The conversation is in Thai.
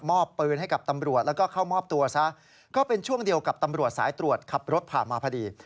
ปืนให้กับตำรวจแล้วก็เข้ามอบตัวซะก็เป็นช่วงเดียวกับตำรวจสายตรวจขับรถผ่านมาพอดี